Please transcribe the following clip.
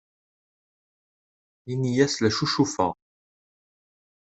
Ini-as la ccucufeɣ.